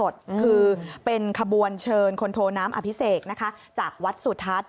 คือเป็นขบวนเชิญคนโทน้ำอภิเษกนะคะจากวัดสุทัศน์